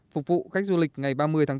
phục vụ khách du lịch ngày ba mươi tháng bốn